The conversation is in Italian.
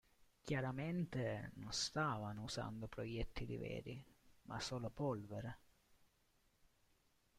Chiaramente non stavano usando proiettili veri ma solo polvere.